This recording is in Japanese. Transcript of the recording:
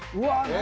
何？